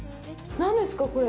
何ですか、これ！？